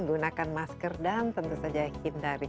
gunakan masker dan berhenti